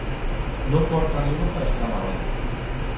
No corta ni gota esta navalla.